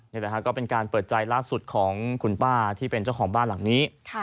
นี่แหละฮะก็เป็นการเปิดใจล่าสุดของคุณป้าที่เป็นเจ้าของบ้านหลังนี้